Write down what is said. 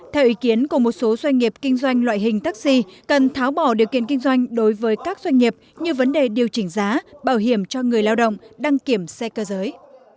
theo ý kiến của một số doanh nghiệp kinh doanh loại hình taxi cần tháo bỏ điều kiện kinh doanh đối với các doanh nghiệp như vấn đề điều chỉnh giá bảo hiểm cho người lao động đăng kiểm xe cơ giới